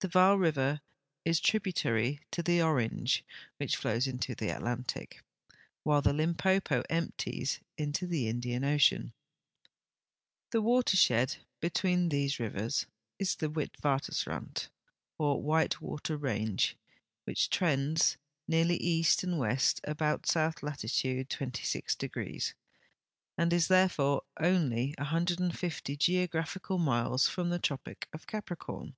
The Vaal river is tributary to the Orange, which flows into the Atlantic, Avhile the Limpopo emp ties into the Indian ocean. The watershed between these rivers is the Witwatersrand, or white water range, which trends nearl}^ east and west about south latitude 26°, and is therefore onl}' 150 geographical miles from the tropic of Capricorn.